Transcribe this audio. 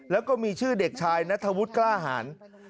และก็มีชื่อเด็กชายณฑวุธกล้าหัน